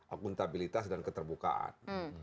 akuntabilitas dan keterbukaan